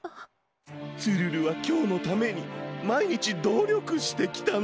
ツルルはきょうのためにまいにちどりょくしてきたの。